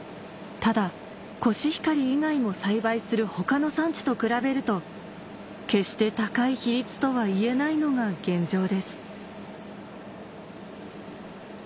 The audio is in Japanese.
ただコシヒカリ以外を栽培する他の産地と比べると決して高い比率とはいえないのが現状です